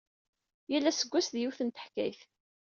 Yal aseggas, d yiwet n teḥkayt.